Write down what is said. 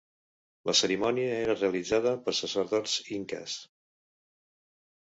La cerimònia era realitzada per sacerdots inques.